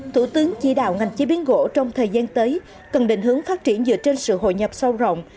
thủ tướng chỉ đạo ngành chế biến gỗ trong thời gian tới cần định hướng phát triển dựa trên sự hội nhập sâu rộng